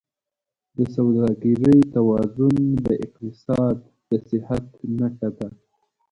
د سوداګرۍ توازن د اقتصاد د صحت نښه ده.